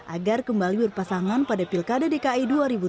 agar kembali berpasangan pada pilkada dki dua ribu tujuh belas